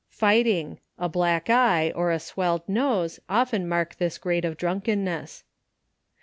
Fighting; a. black eye, or a swelled nose, often mark this grade of drunkenness.